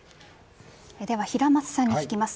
では、平松さんに聞きます。